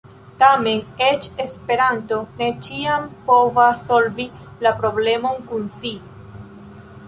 Tamen, eĉ Esperanto ne ĉiam povas solvi la problemon kun "si".